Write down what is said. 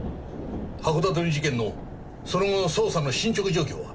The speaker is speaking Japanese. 函館の事件のその後の捜査の進捗状況は？